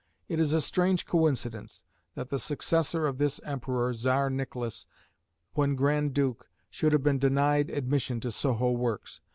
It is a strange coincidence that the successor of this emperor, Tsar Nicholas, when grand duke, should have been denied admission to Soho works.